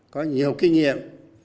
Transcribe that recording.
có nhiều kinh nghiệm